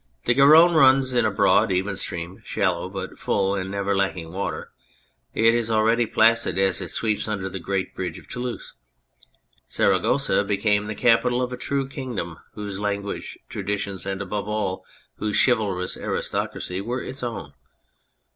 The Garonne runs in a broad, even stream, shallow, but full and never lacking water ; it is already placid as it sweeps under the great bridge of Toulouse. Saragossa became the capital of a true kingdom whose language, traditions, and above all whose chivalrous aristocracy were its own.